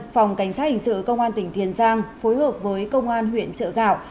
phòng cảnh sát hình sự công an tỉnh tiền giang phối hợp với công an huyện trợ gạo